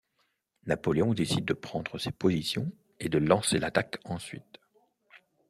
Napoléon décide de prendre ces positions et de lancer l'attaque ensuite.